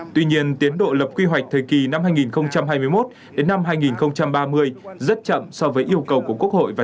tuy nhiên tiến độ lập quy hoạch thời kỳ năm hai nghìn hai mươi một đến năm hai nghìn ba mươi rất chậm so với yêu cầu của quốc hội và